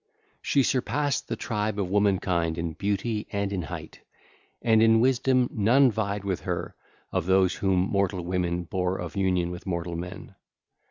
She surpassed the tribe of womankind in beauty and in height; and in wisdom none vied with her of those whom mortal women bare of union with mortal men.